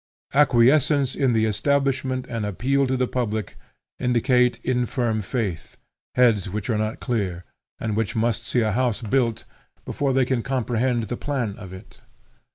Acquiescence in the establishment and appeal to the public, indicate infirm faith, heads which are not clear, and which must see a house built, before they can comprehend the plan of it.